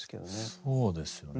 そうですよね。